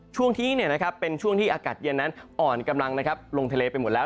ช่วงนี้เป็นช่วงที่อากาศเย็นนั้นอ่อนกำลังลงทะเลไปหมดแล้ว